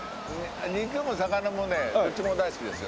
肉も魚もねどっちも大好きですよ。